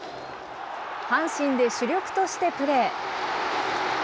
阪神で主力としてプレー。